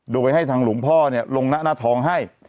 โดยให้ทางหลวงพ่อลงหน้าทองให้